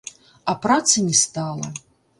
А працы не стала.